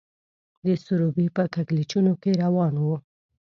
د سروبي په کږلېچونو کې روان وو.